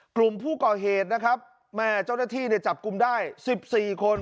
กลุ่มผู้ก่อเหตุนะครับแม่เจ้าหน้าที่เนี่ยจับกลุ่มได้๑๔คน